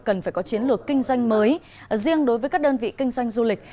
cần phải có chiến lược kinh doanh mới riêng đối với các đơn vị kinh doanh du lịch